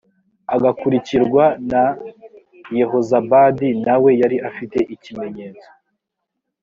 agakurikirwa na yehozabadi na we yari afite ikimenyetso